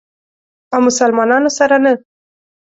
او مسلمانانو سره نه.